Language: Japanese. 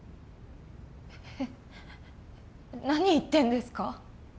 えっ何言ってんですか？